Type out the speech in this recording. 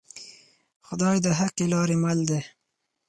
خدای د حقې لارې مل دی